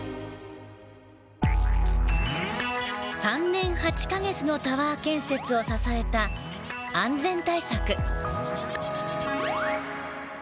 ３年８か月のタワー建設を支えた安全対策。